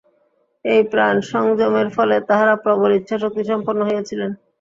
এই প্রাণসংযমের ফলে তাঁহারা প্রবল ইচ্ছাশক্তি-সম্পন্ন হইয়াছিলেন।